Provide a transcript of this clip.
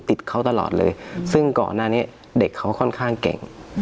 ติดเขาตลอดเลยซึ่งก่อนหน้านี้เด็กเขาค่อนข้างเก่ง